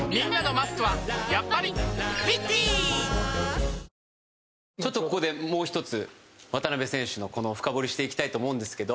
満島：ちょっと、ここでもう１つ渡邊選手のこの深掘りしていきたいと思うんですけど。